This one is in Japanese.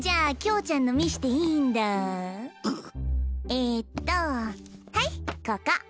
えっとはいここ。